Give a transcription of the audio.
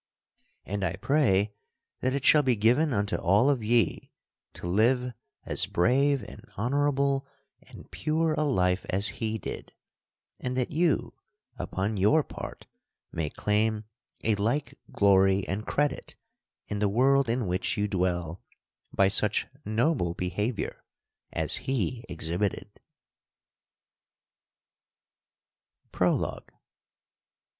_And I pray that it shall be given unto all of ye to live as brave and honorable and pure a life as he did; and that you, upon your part, may claim a like glory and credit in the world in which you dwell by such noble behavior as he exhibited_. [Illustration: Sir Percival of Gales] Prologue.